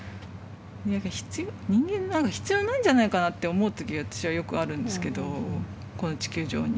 何か必要人間なんか必要ないんじゃないかなって思う時が私はよくあるんですけどこの地球上に。